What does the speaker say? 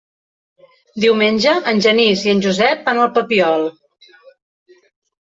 Diumenge en Genís i en Josep van al Papiol.